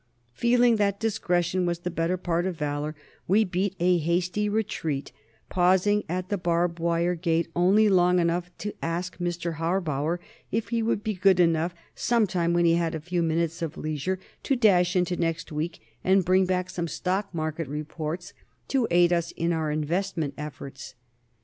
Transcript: Feeling that discretion was the better part of valor, we beat a hasty retreat, pausing at the barbed wire gate only long enough to ask Mr. Harbauer if he would be good enough, sometime when he had a few minutes of leisure, to dash into next week and bring back some stock market reports to aid us in our investment efforts.